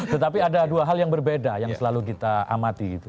tetapi ada dua hal yang berbeda yang selalu kita amati gitu